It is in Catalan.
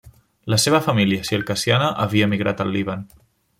La seva família circassiana havia emigrat al Líban.